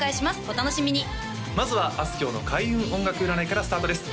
お楽しみにまずはあすきょうの開運音楽占いからスタートです